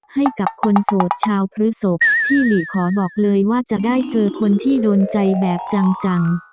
ให้กับคนโสดชาวพฤศพที่หลีขอบอกเลยว่าจะได้เจอคนที่โดนใจแบบจัง